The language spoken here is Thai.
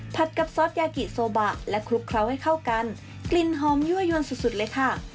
กับซอสยากิโซบะและคลุกเคล้าให้เข้ากันกลิ่นหอมยั่วยวนสุดเลยค่ะ